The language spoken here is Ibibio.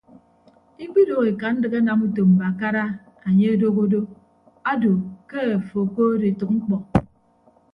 Ikpidoho ekandịk anam utom mbakara anye adoho do ado ke afo okood etәk mkpọ.